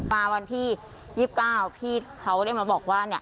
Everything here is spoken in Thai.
มาวันที่๒๙พี่เขาได้มาบอกว่า